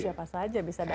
siapa saja bisa datang